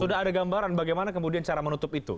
sudah ada gambaran bagaimana kemudian cara menutup itu